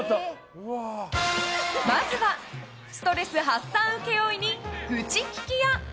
まずはストレス発散請負人愚痴聞き屋。